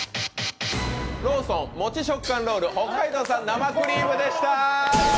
ローソンもち食感ロール北海道産生クリームでした。